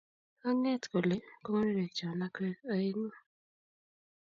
Anget kole konerekchon akwek aengu